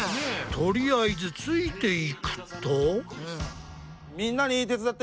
とりあえずついていくと。